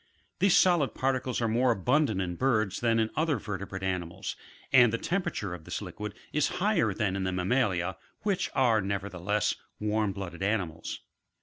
These solid particles are more abundant in birds than in other vertebrate animals, and the tem perature of this liquid is higher than in the mammalia, which are nevertheless, warm blooded animals.